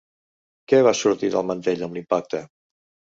Què va sortir del mantell amb l'impacte?